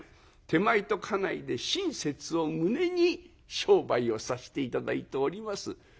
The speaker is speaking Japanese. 手前と家内で親切をむねに商売をさせて頂いております」。